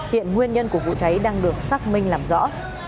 hiện nguyên nhân của vụ cháy đang được xác minh làm rõ